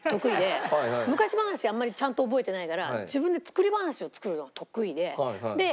昔話あんまりちゃんと覚えてないから自分で作り話を作るのが得意で。